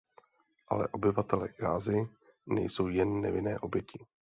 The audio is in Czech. Ale obyvatelé Gazy nejsou jen nevinné oběti.